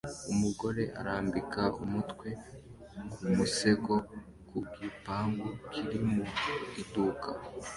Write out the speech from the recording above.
Umugore arambika umutwe ku musego ku gipangu kiri mu iduka